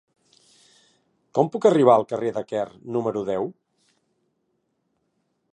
Com puc arribar al carrer de Quer número deu?